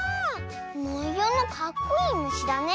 もようもかっこいいむしだね。